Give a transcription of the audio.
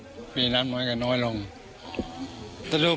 ธรุปีนั้นน้ำก็ขึ้นเยอะอยู่